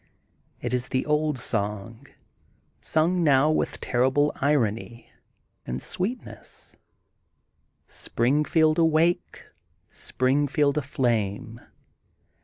It is the old song, sung now with terrible irony and sweetness: *^ Springfield Awake, Springfield Aflame.